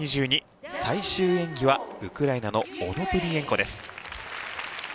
最終演技はウクライナのオノプリエンコです。